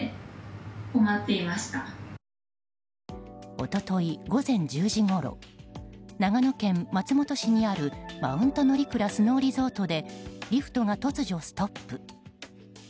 一昨日午前１０時ごろ長野県松本市にあるＭｔ．乗鞍スノーリゾートでリフトが突如ストップ。